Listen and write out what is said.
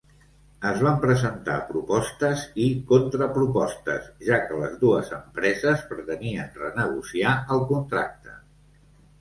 Es van presentar propostes i contrapropostes, ja que les dues empreses pretenien renegociar el contracte.